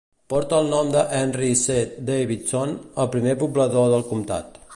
Porta el nom de Henry C. Davison, el primer poblador del comtat.